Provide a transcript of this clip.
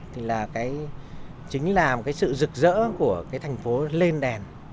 thì là cái chính là một cái sự rực rỡ của cái thành phố lên đèn